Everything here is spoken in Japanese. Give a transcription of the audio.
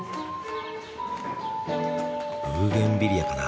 ブーゲンビリアかな？